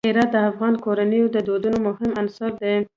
هرات د افغان کورنیو د دودونو مهم عنصر دی.